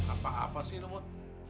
apa apa sih lu mut